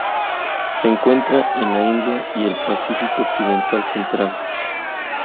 Se encuentra en la India y el Pacífico occidental central.